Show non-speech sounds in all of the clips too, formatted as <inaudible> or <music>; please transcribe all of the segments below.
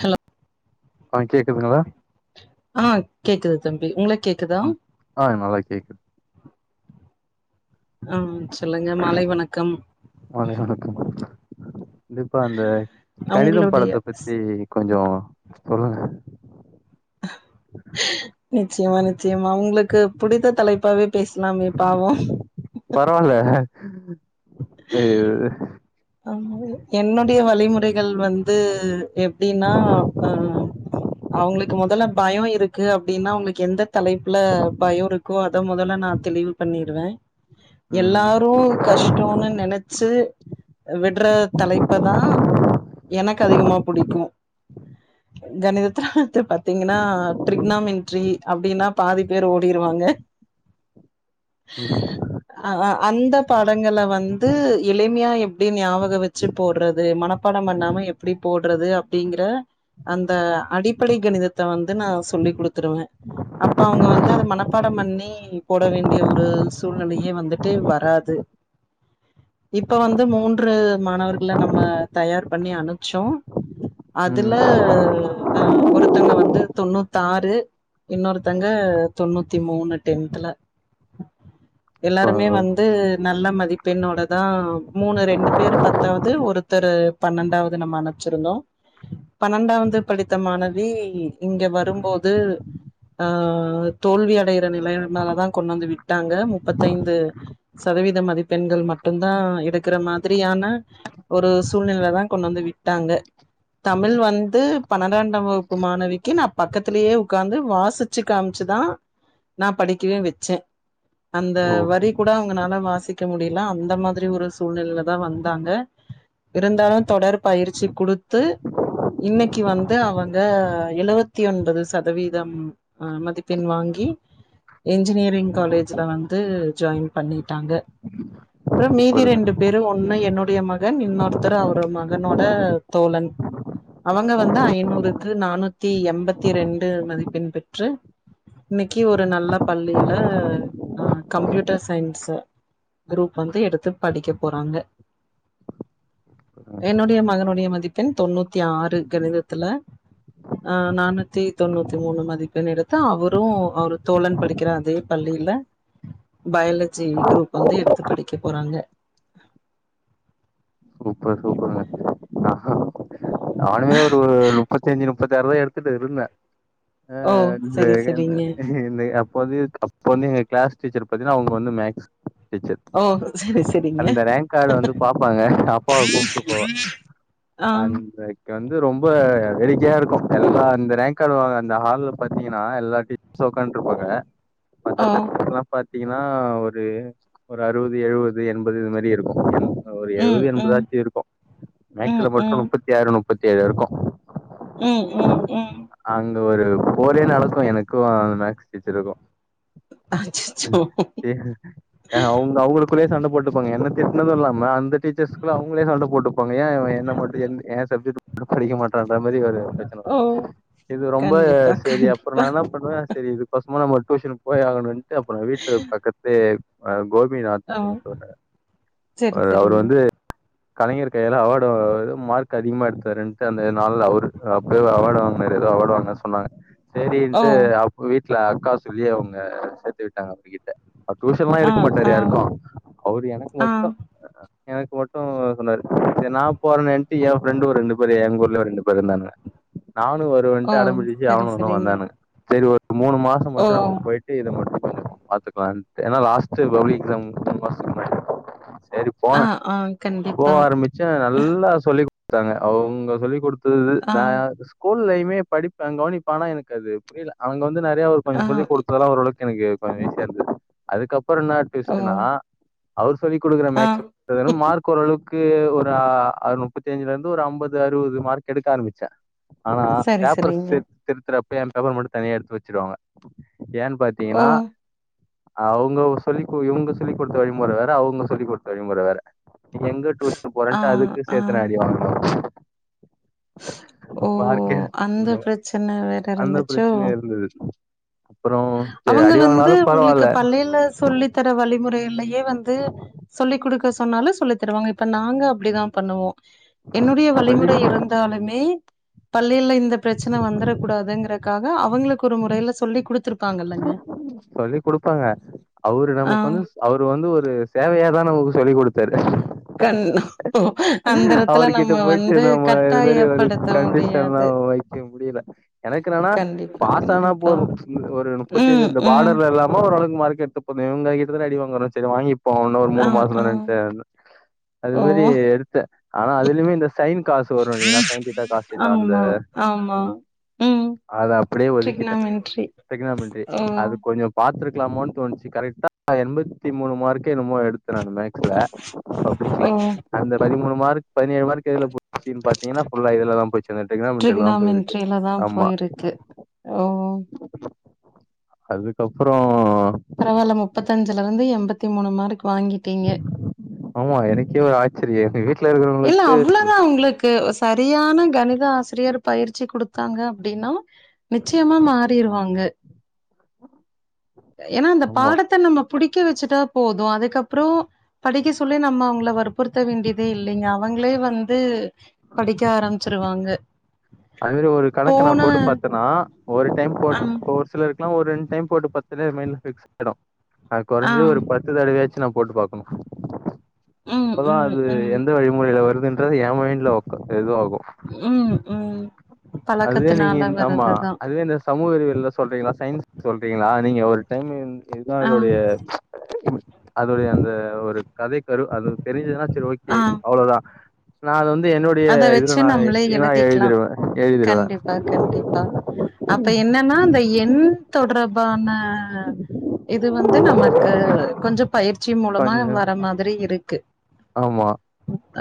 Hello ஆ கேக்குதுங்களா ஆ கேக்குது தம்பி உங்களுக் கேக்குதா ம் ஆ நல்லா கேக்குது அ ம் வணக்கம் <unintelligible> கண்டிப்பா அந்த கணிதம் உங்களுடைய படத்த பத்தி கொஞ்சோ சொல்லுங்க நிச்சயமா நிச்சயமா உங்களுக்கு புடித்த தலைப்பாவே பேசலாமே பாவோ <unintelligible> அயோ இது ஆமா என்னன் புதிய வழிமுறைகள் வந்து எப்டின்னா அ அவுங்களுக்கு மொதல்ல பயோ இருக்கு அப்டின்னா அவுங்களுக்கு எந்த தலைப்ல பயோ இருக்கோ அத மொதல்ல நா தெளிவு பண்ணிருவே. ம் எல்லாரு கஷ்டோனு நெனச்சு விட்ற தலைப்பதா எனக்கு அதிகமா புடிக்கு கணித திரானத்த பாத்தீங்கன்னா ட்ரிக்னாமின்ட்ரி அப்டின்னா பாதி பேர் ஓடிருவாங்க. ம் ஆ, ஆ அந்த பாடங்கள வந்து எளிமையா எப் எப்டி ஞாபகோ வச்சு போடுறது மனப்பாடோ பண்ணாம எப்டி போடுறது அப்டிங்கற அந்த அடிப்படை கணிதத்த வந்து நா சொல்லி குடுத்துருவே அப்ப அவுங்க வந்து அத மனப்பாடோ பண்ணி போட வேண்டிய ஒரு சூழ்நிலையே வந்துட்டு வராது இப்ப வந்து மூன் ன்று மாணவர்கள நம்ம தயார் பண்ணி அனுப்சோ ம் அதுல அ ஒருத்தங்க வந்து தொண்ணூத்தாறு இன்னொருத்தங்க தொண்ணூத்தி மூணு டென்த்ல ஆ எல்லாருமே வந்து நல்ல மதிப்பெண்ணோடதா மூணு ரெண்டு பேரு பத்தாவது ஒருத்தர் பன்னெண்டாவது நம்ம அனுப்சுருந்தோ பன்னெண்டாவது படித்த மாணவி இங்க வரும்போது ஆ தோல்வி அடையுற நிலைமலதா கொண்டு வந்து விட்டாங்க முப்பத்தைந்து சதவீத மதிப்பெண்கள் மட்டுதா எடுக்குற மா திரியான ஒரு சூழ்நிலைதா கொண்டாந்து விட்டாங்க தமிழ் வந்து பன்னிரண்டாம் வகுப்பு மாணவிக்கு நா பக்கத்திலேயே உட்காந்து வாசிச்சு காமிச்சுதா நா படிக்கவே வச்சே அந்த ஓ வரி கூட அவுங்கனால வாசிக்க முடியல அந்த மாதிரி ஒரு சூழ்நிலைல வந்தாங்க இருந்தாலு தொடர் பயிற்சி குடுத்து இன்னைக்கி வந்து அவங்க எழுவத்தி ஒன்பது சதவீதம் மதிப்பெண் வாங்கி என்ஜினியரிங் காலேஜ்ல வந்து ஜாயின் பண்ணிட்டாங்க அப்பறம் மீதி சூப்பருங்க ரெண்டு பேர் ஒண்ணு என்னுடைய மகன் இன்னொருத்தர் அவரு மகனோட தோழன் அவங்க வந்து ஐநூறுக்கு நானூத்தி எம்பத்தி ரெண்டு மதிப்பெண் பெற்று இன்னைக்கி ஒரு நல்ல பள்ளியில அ கம்யூட்டர் சயின்ஸ் குரூப் வந்து எடுத்து படிக்கப் போறாங்க என்னுடைய மகனுடைய மதிப்பெண் தொண்ணூத்தி ஆறு கணிதத்துல ஆ நானூத்தி தொண்ணூத்தி மூணு மதிப்பெண் எடுத்து அவரு அவரு தோழன் படிக்குற அதே பள்ளியில பயாலஜி குரூப் வந்து எடுத்து படிக்க போறாங்க. சூப்பர் சூப்பருங்க. நானுமே ஒரு முப்பத்தஞ்சு நுப் முப்பத்தி ஆறுதா எடுத்துட்டு இருந்தே அ ஓ செரி செரிங்க வந்து <unintelligible> அப் இப்ப வந்து அப்ப வந்து எங்க கிளாஸ் டீச்சர் பத்தினா அவுங்க வந்து மேக்ஸ் டீச்சர் ஓ செரி செரிங்க அந்த ரேங்க் கார்ட வந்து பாப்பாங்க அப்பாவ கூப்ட்டு போவே ஆ அந்த வந்து ரொம்ப வேடிக்கையா இருக்கும் எல்லா அந்த ரேங்க் கார்ட வாங்க அந்த ஹால்ல பாத்தீங்கன்னா எல்லா டீச்சர்ஸரு உக்காந்துட்ருப்பாங்க. ஓ பக்கத்துல <unintelligible> பாத் பாத்தீங்கன்னா ஒரு ஒரு அறுவ து எழுவது எண்பது இது மாரி இருக்கும் ஒரு ம் எழுவது எண்பது ம் ஆச்சு இருக்கும் ம் மேக்சில மட்டும் ம் நுப்பத்தி ஆறு நுப் முப்பத் ஏழு இருக்கும் ம் ம் ம் து ஒரு போரே நடக்கும் எனக்கும் ஆஹ் அந்த மேக்ஸ் டீச்சருக்கும் <inaudible> அச்சச்சோ அவ்ங்க அவ்ங்களுக்குள்ளேயே சண்ட போட்டுப்பாங்க என்ன திட்னதும் இல்லாம அந்த டீச்சர்ஸ்குள்ள அவ்ங்களே சண்ட போட்டுப்பாங்க ஏன் என்ன மட்டும் எந்த என் சப்ஜெட் ஒன்னும் படிக்க மாட்டான்ன்ற மாரி ஒரு ப்ரச்சன ஓ வரும் இது ரொம்ப கண்டிப்பா செரி அப்புறம் கண்டிப்பா நா என்ன பண்ணுவேன் செரி இதுக்கோசமா நம்ம டியூஷன் போய ஆகணுன் ட்டு அப்றம் வீட்டுக் பக்கத்து <unintelligible> கோபிநாத் ஓ என்று ஒருத்தங்க சரி ஒரு அவ்ரு சரிங்க வந்து கலைஞர் கையால அவார்ட் <unintelligible> மார்க் அதிகமா எடுத் கரெக்டா அந்த நாள்ல அவ்ரு அப்பியே அவார்ட வாங்குனாரு எதோ அவார்ட வாங்குநாறு சொன்னாங்க ஓ சேரின்ட்டு அப்ப வீட் வீட்ல அக்கா சொல்லி அவ்ங்க சேத்து விட்டாங்க அவிங்கிட்ட அவ்ரு டியூஷன் எல்லா ஆ எடுக்கமாடாறு ஆ யாருகும் அவ்ரு எனக்கு ஆ மட்டும் எனக்கு மட்டு சொன்னாரு சரி நா போறனேன் என் ஃப்ரெண்டு ஒரு ரெண்டு ஒரு எங்கூர்ல ரெண்டு பேரு இருந்தானுவ நானு ஓ வருவன்ட்டு அடம்பிடிச்சி சரி அவணுவனு சரிங்க வந்தானுங்க சேரி ஒரு ஓக் மூணு மாசம் ஓ மட்டு நம்ம போயிட்டு இது மட் <inaudible> பாத்துக்கலன்டு ஏன்னா லாஸ்ட் பப்ளிக் எக்ஸாம் மூனு மாசத்துக்கு முன்னாடி செரி ஆ போன ஆ போ கண்டிப்பா ஆரம்பிச்ச நல்லா சொல்லி த்தாங்க அவ்ங்க சொல்லி கொடுத் ஸ்கூலு ஆ நா ஸ்கூல் லைப் ப்பிமே படிபன் கவ்னிப்பன் எனக்கு அது புரில அவ்ங்க வந்து நெறைய அவ்ரு ஆ கொஞ்சம் சொல்லி கொடுத்தலாம் ஒர்ளவுக்கு எனக்கு கொஞ்சம் ஈசிய இருந்துது அதுகப் அப்புற என்ன ஓ ட்வ்ஸ்ட்னா அவ்ரு சொல்லிகுடுக்கற ஆ மேக்ஸ் <unintelligible> மார்க் ஓரளவுக் க்கு ஒரு ஆ முப்பத்திஞ்சிலெந் ஒரு ஐம்பது அறுவது மார்க் எடுக்க ஆரம்பிச்சன் ஆனா சரி பேப்பர் சரிங்க சேத் திருத்தரப்ப என் பேப்பர் மட்டும் தனியா எடுத்து வச்சிருவாங்க ஏன் ஓ பாத்தீங்ன்னா ஹ் அவங்க சொல்லி இவங்க சொல்லி் குடுத்த வழிமுற வேற அவங்க சொல்லி் குடுத்த வழிமுற வேற எங்க டூஷன் ஆ போறன்ட்டு அதுக்கு ஆ சேத்துன அடி வாங்ன ஓ மார்க்கே அந்த பிரச்சன வேற அந்த இருந்துச்சோ பிரச்சனை இருந்தது அப்புறோ சரி அவங்க அடி வந்து வாங்கினாலு உங்ளுக்கு பரவால்ல பள்ளைல சொல்லி தர வழிமுற இல்லை வந்து சொல்லி் குடுக்க சொன் சொன்னாலும் சொல்லி தருவாங்க இப்போ நாங்க அப்டிதா பண்ணுவோம் என்னுடைய சொல்லி வழிமுறை இருந்தாலுமே பள்ளியில இந்த பிரச்சன வந்துட கூடாதுங்கறக்காக அவங்களுக்கு ஒரு முறையில சொல்லி கொடுத்துரு தாங்கல்லங்க சொல்லி கொடுப்பாங்க அவரு ஆ நமக்கு வந்து அவரு வந்து ஒரு சேவையாதான சொல்லி குடுத் கண்ண அவர் கிட்ட போய்ட்டு நம்ம இது மாதிரி ஒரு கட்டாயப்படுத்த முடியாது கண்டிஷன்லாம் வைக்க முடியல எனக்கென்னனா கண்டிப்பா பாஸ் ஆனா கண்டிப்பா போதும் ஒரு ம் முப்பத்தேழு இந்த ம் பார்டர்ல இல்லாம ஓரளவு மார்கெடுத்துபோ இவ்ங்க கிட்ட தான அடி வாங்கறோம் சரி வாங்கிப் இப்ப இன்ன ஒரு ஆ மூணு மாசம் ஆ தானேன்ட்டு அது ஓ மாதிரி எடுத்து ஆனா அதுலயுமே இந்த சைின் காசு வரும் இல்லைன்னா சைின் தீட்டா காசுிட்டான் அந்த ஆமா ஆமா ம் அதை அப்படியே ஒதுக்கிட்டேன் ட்ரிக்னாமென்ட்ரி க்னாமெடரி ஓ அது கொஞ்சம் பாத்துருக்கலாமோன் தோணுச்சு கரெக்டா எண்பத்தி மூணு மார்க் <unintelligible> எடுத்த நானு மேக்ஸ்ல ஓ <unintelligible> அந்த மூணு மார்க் பதினேழு மார்க் இதுல போச்சுன் பாத்தீங்கன்னா ஃபுல்லா இதுல தான் போச்சு அந்த ட்ரிகோனோமெண்ட்ரில தான் போயிருக்கு ட்ரிக்னாமென்ட்ரில தா ஆமா போயிருக்கு ஓ அதுக்கப்புறம் பரவாயில்ல முப்பத்தி அஞ்சுல இருந்து எண்பத்தி மூணு மார்க் வாங்கிட்டீங்க ஆமா எனக்கே ஒரு ஆச்சரியம் <unintelligible> இல்ல அவ்வளவுதான் உங்களுக்கு சரியான கணித ஆசை <unintelligible> பயிற்சி கொடுத்தாங்க அப்படின்னா நிச்சயமா மாறிருவாங்க ஏன்னா அந்த ஆமா பாடத்தை நம்ம புடிக்க வச்சுட்டா போதும் அதுக்கப்றம் படிக்க சொல்லி நம்ம அவங்கள வற்புறுத்த வேண்டியதே இல்லை இல்லைங் அவுங்ளே வந்து படிக்க ஆரம்பிச் ருவாங்க அது மாரி ஒரு கணக்கு நா போட்டு பாத்தன்னா ஒரு டைம் போட் அம் ஒரு சிலரு க்கல்லா ஒரு ரெண்டு டைம் போட்டு பா அதே மைண்ட்ல ஃபிக்சு ஆய்டு நா ஆ குறஞ்சது ஒரு பத்து தடவயாச்சு நா போட்டு பா ஆமா ம் அப்பதா ம் அது ம் எந்த வழிமுறைல வருது அப்பதா என் மைண்ட்ல ஒர்க் இது ஆகு ம் ம் அதுவே நீங்க பழக்கத்துனால இந்த ஆமா வர்றதுதா அதுவே இந்த சமூக அறிவியல்லா சொல்றீங்ளா சயின்ஸ் சொல்றீங்ளா நீங்க ஒரு டைம் இதுதா ஆ அதோடைய அதடைய அந்த ஒரு கதை கரு அது தெரிஞ்சதுன்னா சரி ஓகே ஆ அவ்ளவுதா ஸ் நா அது வந்து என்னுடைய அத இதுல வச்சு நம்மளே நா எழுதிக்கலா எழுதிடுவே கண்டிப்பா கண்டிப்பா அப்ப என்னன்னா இந்த எண்தொட பிரபா அண்ணே ஆ இது வந்து நமக்கு கொஞ்சோ பயிற்சி மூலமா கொஞ்ச வர மாதிரி இருக்கு ஆமா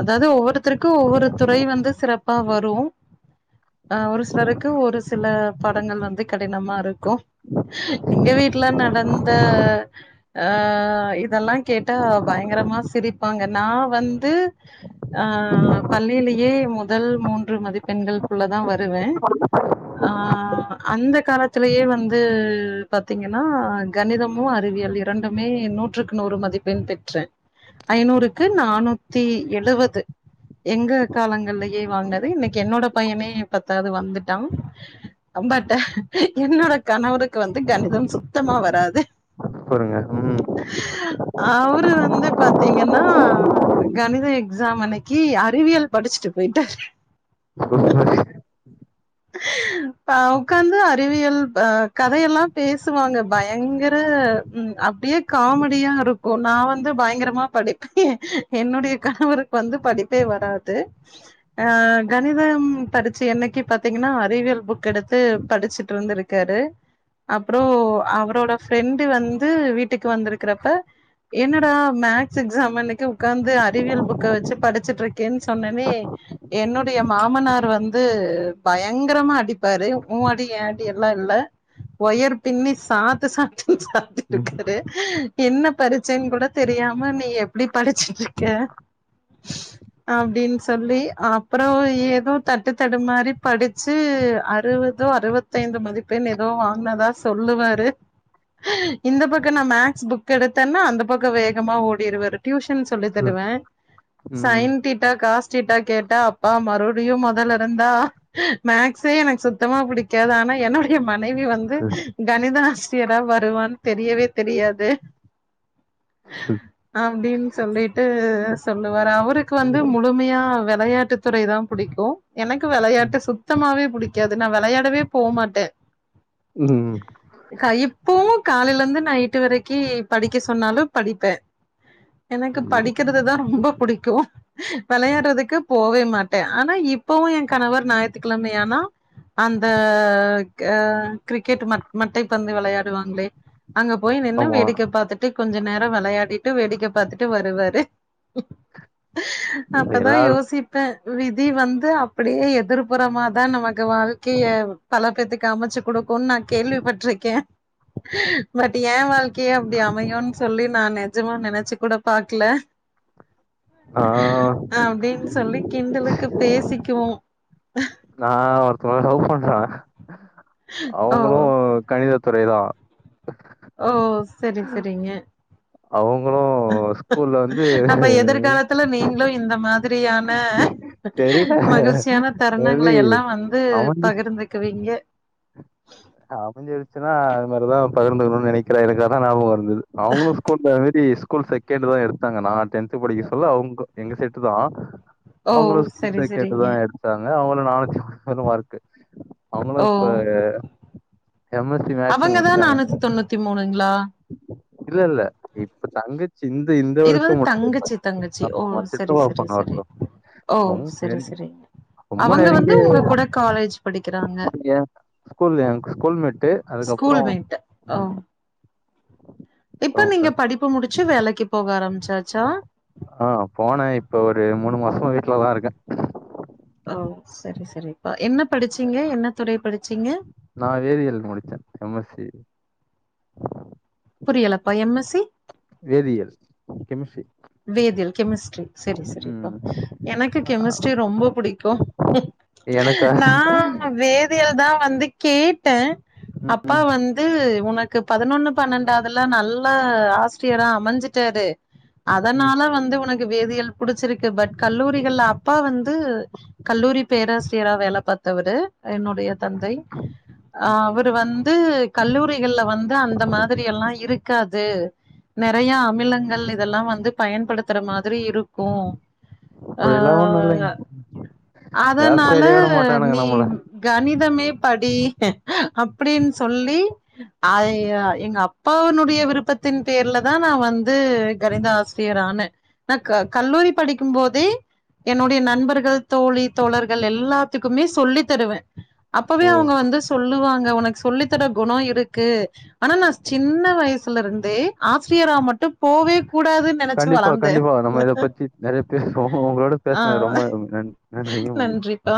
அதாவது ஒவ்வொருத்தருக்கு ஒவ்வொரு துறை வந்து சிறப்பா வரு அ ஒரு சிலருக்கு ஒரு சில படங்கள் வந்து கடினமா இரு கோ எங்க வீட்ல நடந்த ஆ இதெல்லா கேட்டா பயங்கரமா சிரிப்பாங்க நா வந்து ஆ பள்ளிலயே முதல் மூன்று மதிப்பெண்களுக்குள்ளதா வருவேன் ஆ அந்த கால துள்ளயே வந்து பாத்தீங்கனா கணிதமு அறிவியல் இரண்டுமே நூற்றுக்கு நூறு மதிப்பெண் பெற்றே ஐநூறுக்கு நானூத்தி எழுவது எங்க காலங்கல்லயே வாங்னது இன்னிக்கு என்னோட பையனே பத்தாவது வந்துட்டா <unintelligible> என்னோட கணவருக்கு வந்து கணிதம் சுத்தமா வராது பாருங்க ம் அவரு வந்து பாத்தீங்கன்னா கணிதோ ஸாம் அன்னக்கி கி அறிவியல் படிச்சிட்டு போயிட்டாரு <inaudible> <inaudible> பா உக்காந்து டிவியல் பா கதையெல்லா பேசுவாங்க பயங்கர ம் அப்டியே காமெடியா இருக்கோ நா வந்து பயங்கரமா படி <inaudible> என்னுடைய கணவருக்கு வந்து படிப்பே வராது ஆ கணிதம் படிச்சு என்னக்கி பாத்தீங்கனா அறிவியல் புக் எடுத்து படிச்சுட்ருந்துருக்காரு அப்றோ அவரோட ஃப்ரெண்ட்டு வந்து வீட்டுக்கு வந்திருக்கிறப்ப என்னட மேக்ஸ் எக்ஸாமன்னிக்கு உக்காந்து அறிவியல் புக்க வெச்சு படிச்சுட்டுருக்கேன் சொன்னனே என்னுடைய மாமனார் வந்து பயங்கரமா அடிப்பாரு உ அடி எ அடி எல்லா இல்ல ஒயர் பின்னி சாத்து சாத்துனு ம் சாத்திட்டுருக்காரு என்ன பரிச்சைன்னு கூட தெரியாம நீ எப்டி படிச்சுட்டுருக்க அப்டின் சொல்லி அப்றோ ஏதோ தட்டு தடு மாரி படிச்சு அறுவதோ அறுவத்தைந்து மதிப்பண் ஏதோ வாங்கனதா சொல்லுவாரு இந்த பக்கம் நா மேக்ஸ் புக் எடுத்தன்னா அந்த பக்கம் வேகமா ஓடிடுவாரு டியூஷன் தின் சொல்லி தருவே ம் சையின்டீட்டா காஸ்டீட்டா கேட்டா அப்பா மறுவுடியு மொதல்ல இருந்தா மேக்ஸே எனக்கு சுத்தமா பிடிக்காது ஆனா என்னுடைய மனைவி வந்து கணித ஆசிரியரா வருவான்னு தெரியவே தெரியாது அப்டின்னு சொல்லிட்டு சொல்லுவாரு அவருக்கு வந்து முழுமையா வெளையாட்டு துறை தா புடிக்கு எனக்கு வெளையாட்டு ம் டி சுத்தமாவே புடிக்காது நா வெளையாடவே போமாட்டே ம் ஆ இப்பவு காலைலந்து நைட்டு வரைக்கி படிக்க சொன்னாலு படிப்பே எனக்கு ஐயோ. படிக்கிறதுதா ரொம்ப புடிக்கோ வெளையாடுறதுக்கு போவே மாட்டே ஆனா இப்பவு எ கணவர் நா ஞாயித்துகெழமையானா அந்த அ கிரிக்கெட் மட் மட்டை பந்து வெளையாடுவாங்களே அங்க போயி நின்னு ஆமா வேடிக்க பாத்துட்டு கொஞ்ச நேரம் வெளையாடிட்டு வேடிக்கை பாத்துட்டு வருவாரு அப்பதா எல்லாரு யோசிப்பே விதி வந்து அப்பிடியே எதிர் புறமாதா நமக்கு வாழ்க்கையே பல பேத்துக்கு அமச்சு குடுக்கோன் நா கேள்விப்பட்டிருக்கே பட் ஏ வாழ்க்கையே அப்டி அமையோன் சொல்லி நா நெஜமா நெனச்சு கூட பாக்ல ஆ அப்டின் சொல்லி கிண்டலுக்கு பேசிக்குவோ ஆ <unintelligible> லவ் பண்றா ஓ ஓ கணித துறை தா ஓ செரி செரிங்க அவுங்களு ஸ்கூல்ல வந்து லோ இந்த மாதிரியான ஆ தெரில மகிழ்ச்சியானா தருணங் குல்ல மேபி எல்லா வந் து அமஞ்ச பகிர்ந்துக்குவீங்க அமஞ்சிடுச்சுன்னா அதுமாரிதா பகிர்ந்துக்குனுனு நெனேக்கிறே எனக்கு அதா ஞாபம் வருது அவுங்களு ஸ்கூல இந்த மேரி ஸ்கூல் செகண்ட் தா எடுத்தாங்க நா டென்த் த் படிக்க சொல்ல அவுங்க எங்க செட்டு தா ஓ அவங்களு ஸ்கூல் செரி செரிங்க செகண்ட்டுதா எடுத்தாங்க அதா அவுங்களு நானூத்திமுப்பது மார்க்கு அவுங்களு ஓ இப்ப எம்எஸ்சி மேக்ஸ் அவங்கதா முடிச்சாங்க. நானூத்தி தொண்ணுத்தி மூணுங்ளா இல்ல இல்ல இப்ப தங்கச் சி இந்த இந்த இது வருஷ வந்து மட்டு இப்ப தங்கச்சி தங்கச்சி ஓ அப்போ அவ செரி சித்தப்பா செரி பொண்ணு செரி ஒர்த்தவ்ங் ஓ செரி அவுங் செரிங்க <unintelligible> ரொம்ப அவங்க வந்து நெருங்கி உங்க கூட காலேஜ் படிக்கிறாங்க இங் ஏ ஸ்கூல் ஏ ஸ்கூல்மேட்டு் அதுக்கப்றோ ஸ்கூல் மேட் ஓ இப்ப நீங்க படிப்ப முடுச்சி வேலக் வேலைக்கு போக ஆரம்பி ஆ போன இப்ப ஒரு மூணு மாஸ்மாவே ட்ல தா இருக்க அவ் சரி சரி என்ன படிச்சிங்க என்ன துறை படிச்சிங்க நா வேதியியல் முடிச்சே எம் எஸ் சி புரியலப்பா எம் எஸ் சி வேதியல் கெமிஸ்ரி வேதியல் கெமிஸ்ட்ரி செரி செரிப்பா ம் எனக்கு கெமிஸ்ட்ரி ரொம்ப புடிக்கு ம் எனக்கா நா வேதியல் தா வந்து கேப் கேட்டே அப்பா ம் வந்து உனக்கு பதினொன்னு பன்னெண்டாவதுல நல்ல ஆசிரியரா அமைஞ்சிட்டாரு ம் அதனால வந்து உனக்கு வேதியல் புடிச்சிருக்கு பட் கல்லூரிகள்ல அப்பா வந்து கல்லூரி பேராசி சிரியரா வேல பாத்தவரு என்னுடைய தி தந்தை அவரு வந்து கல்லூரிகள்ல வந்து அந்த மாதிரி எல்லா இருக்காது த்து நெறைய அமிலங்கள் இதெல்லா வந்து வந்து பயன்படுத்துற மாதிரி இருக்கு அ அப்படிலா ஒண்ணு இல்லைங்க லேப் அதனால சைடே விட மாட்டானுங்க நீ நம்மள கணிதமே படி அப்டின்னு சொல்லி அ எங்க அப்பாவினுடைய விருப்பத்தின் பேர்ல தா நான் வந்து கணித‌‌ ஆசி சிரியர்றான நா க கல்லூரி படிக்கும் போதே என்னுடைய நண்பர்கள் தோழி தோழர்கள் எல்லாத்துக்குமே சொல்லி தருவே அப்பவே ஓ அவங்க வந்து சொல்லுவாங்க உனக்கு சொல்லி தர குணே இருக்கு ஆனா நா சின்ன வயசுல இருந்தே ஆசிரியராம ட்டு போவே கூடாது கண்டிப்பா கண்டிப்பா நம்ம இத பத்தி நெறைய பேசுவோ உங்களோட ஆ பேசினது ரொம்ப நன் நன்றிங்க மமி நன்றிப்பா